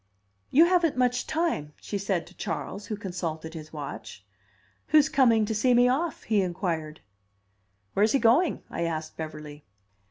"You haven't much time," she said to Charles, who consulted his watch. "Who's coming to see me off?" he inquired. "Where's he going?" I asked Beverly.